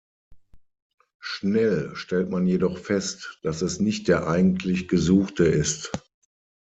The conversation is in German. Schnell stellt man jedoch fest, dass es nicht der eigentlich Gesuchte ist.